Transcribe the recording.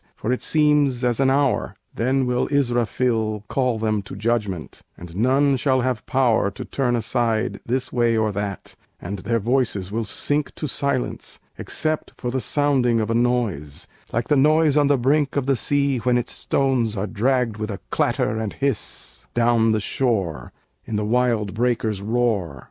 For it seems as an hour!" Then will Israfil call them to judgment: And none shall have power To turn aside, this way or that; And their voices will sink To silence, except for the sounding Of a noise, like the noise on the brink Of the sea when its stones Are dragged with a clatter and hiss Down the shore, in the wild breakers' roar!